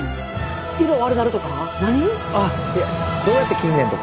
色悪なるとか？